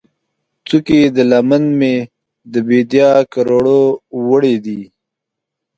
څوکې د لمن مې، د بیدیا کروړو ، وړې دي